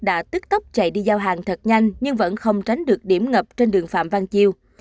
đã tức tốc chạy đi giao hàng thật nhanh nhưng vẫn không tránh được điểm ngập trên đường phạm văn chiêu